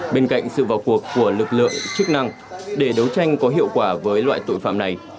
bên cạnh sự vào cuộc của lực lượng chức năng để đấu tranh có hiệu quả với loại tội phạm này